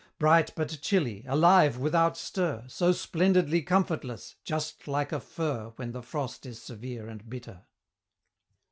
Bright but chilly, alive without stir, So splendidly comfortless, just like a Fir When the frost is severe and bitter.